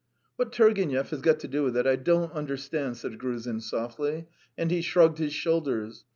"What Turgenev has got to do with it I don't understand," said Gruzin softly, and he shrugged his shoulders.